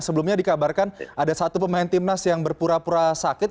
sebelumnya dikabarkan ada satu pemain timnas yang berpura pura sakit